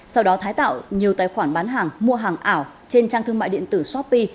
sau đó thái tạo nhiều tài khoản bán hàng mua hàng ảo trên trang thương mại điện tử shopee